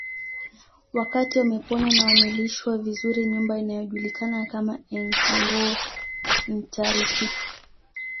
Wakati wamepona na wamelishwa vizuri nyumba inayojulikana kama Enkangoo Ntaritik